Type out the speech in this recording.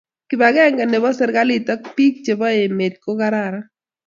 kibagenge ne bo serikalit and biko che bo emet ko kararan